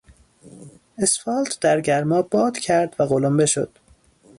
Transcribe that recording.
اسفالت در گرما باد کرد و قلمبه شد.